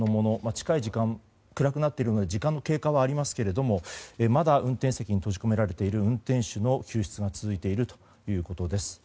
近い時間、暗くなっているので時間の経過はありますけれどもまだ運転席に閉じ込められている運転手の救出が続いているということです。